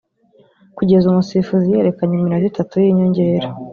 Kugeza umusifuzi yerekanye iminota itatu y’inyongera